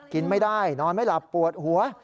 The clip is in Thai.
กินไม่ได้นอนไม่หลับปวดหัว